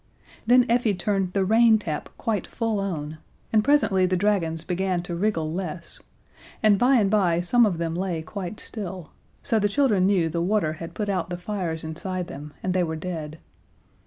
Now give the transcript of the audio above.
Then Effie turned the rain tap quite full on, and presently the dragons began to wriggle less, and by and by some of them lay quite still, so the children knew the water had put out the fires inside them, and they were dead.